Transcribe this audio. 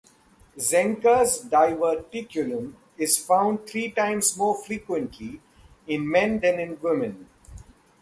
Zenker's diverticulum is found three times more frequently in men than in women.